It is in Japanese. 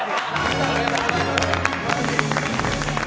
おめでとうございます。